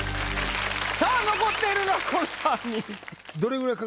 さあ残っているのはこの三人。